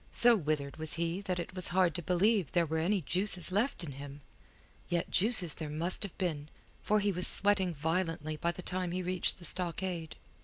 So withered was he that it was hard to believe there were any juices left in him, yet juices there must have been, for he was sweating violently by the time he reached the stockade.